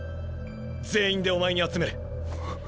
全員でお前に集める。